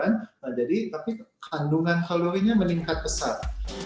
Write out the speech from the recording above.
nah jadi tapi kandungan kalorinya meningkat besar